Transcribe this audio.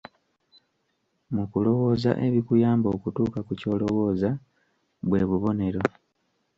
Mu kulowooza ebikuyamba okutuuka ku ky'olowooza bwe bubonero.